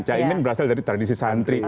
caimin berasal dari tradisi santri